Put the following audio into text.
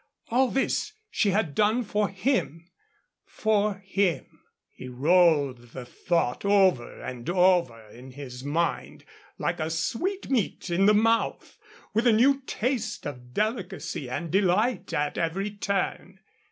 All this she had done for him for him. He rolled the thought over and over in his mind, like a sweetmeat in the mouth, with a new taste of delicacy and delight at every turn.